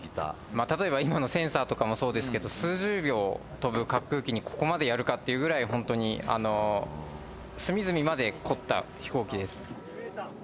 まあ例えば今のセンサーとかもそうですけど数十秒飛ぶ滑空機にここまでやるかっていうぐらいほんとにあの隅々まで凝った飛行機です。